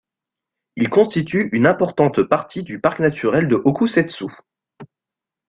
Il constitue une importante partie du parc naturel de Hokusetsu.